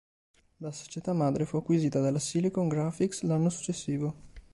La società madre fu acquisita dalla Silicon Graphics l'anno successivo.